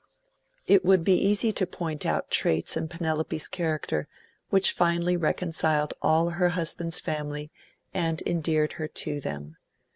It would be easy to point out traits in Penelope's character which finally reconciled all her husband's family and endeared her to them.